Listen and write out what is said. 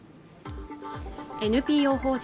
ＮＰＯ法人